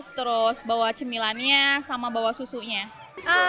terus bawa cemilannya sama bawa susunya